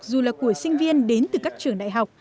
dù là của sinh viên đến từ các trường đại học